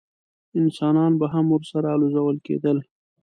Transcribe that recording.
انسانان به هم ورسره الوزول کېدل.